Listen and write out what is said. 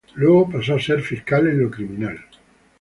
Luego pasó a ser fiscal en lo criminal.